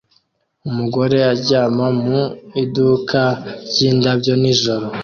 Umugore aryama mu iduka ryindabyo nijoro